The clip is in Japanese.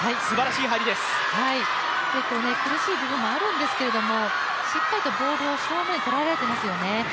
苦しいときもあるんですけれども、しっかりとボールを正面で捉えられていますよね。